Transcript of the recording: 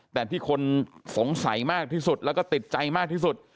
แต่ที่คนสงสัยมากที่สุดแล้วก็ติดใจมากที่สุด